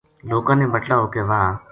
لوکاں نے بٹلا ہو کے واہ